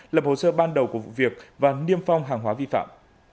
lập hồ sơ ban đầu của vụ việc và niêm phong hàng hóa vi phạm